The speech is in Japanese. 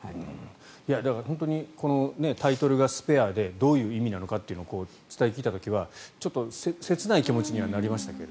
だから、本当にタイトルが「スペア」でどういう意味なのかって伝え聞いた時はちょっと切ない気持ちにはなりましたが。